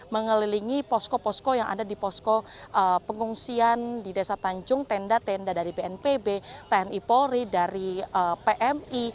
mengelilingi posko posko yang ada di posko pengungsian di desa tanjung tenda tenda dari bnpb tni polri dari pmi